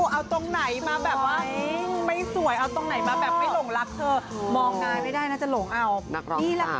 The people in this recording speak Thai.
เอาตรงไหนมาแบบว่าไม่สวยเอาตรงไหนมาแบบไม่หลงรักเธอมองงานไม่ได้นะจะหลงเอา